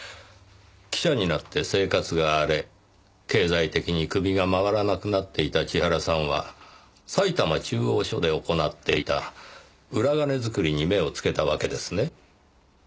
記者になって生活が荒れ経済的に首が回らなくなっていた千原さんは埼玉中央署で行っていた裏金作りに目をつけたわけですね？